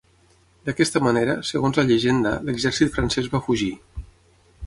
D'aquesta manera, segons la llegenda, l'exèrcit francès va fugir.